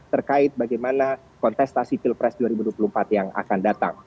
terkait bagaimana kontestasi pilpres dua ribu dua puluh empat yang akan datang